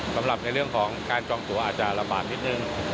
สำหรับในเรื่องของการจองตัวอาจจะระบาดนิดนึง